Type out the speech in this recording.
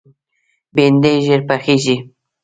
بېنډۍ ژر پخېږي